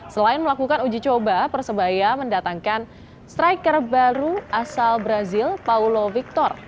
selain melakukan uji coba persebaya mendatangkan striker baru asal brazil paulo victor